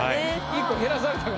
１個減らされたからな。